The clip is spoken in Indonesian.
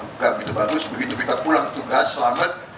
enggak begitu bagus begitu kita pulang tugas selamat